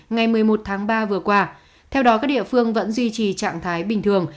ngày một mươi một tháng ba vừa qua theo đó các địa phương vẫn duy trì trạng thái bình thường